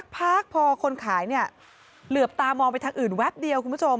พอคนขายเหลือบตามองไปทางอื่นแวะเดียว